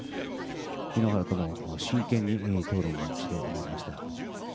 井ノ原とも真剣に討論をしてまいりました。